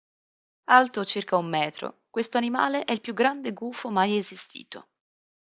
Alto circa un metro, questo animale è il più grande gufo mai esistito.